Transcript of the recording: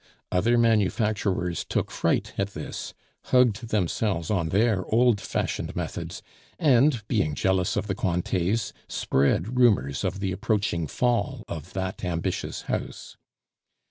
Other manufacturers took fright at this, hugged themselves on their old fashioned methods, and, being jealous of the Cointets, spread rumors of the approaching fall of that ambitious house.